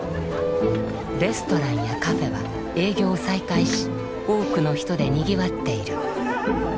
レストランやカフェは営業を再開し多くの人でにぎわっている。